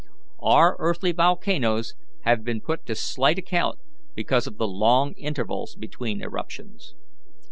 Our earthly volcanoes have been put to slight account because of the long intervals between eruptions."